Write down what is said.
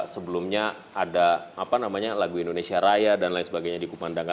sebelumnya ada lagu indonesia raya dan lain sebagainya di kupandang